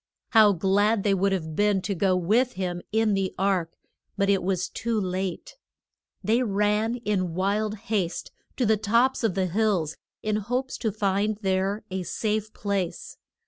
How glad they would have been to go with him in the ark. But it was too late. They ran in wild haste to the tops of the hills in hopes to find there a safe place.